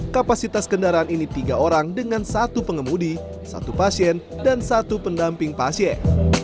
kapasitas kendaraan ini tiga orang dengan satu pengemudi satu pasien dan satu pendamping pasien